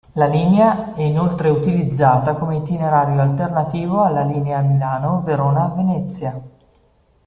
La linea è inoltre utilizzata come itinerario alternativo alla linea Milano-Verona-Venezia.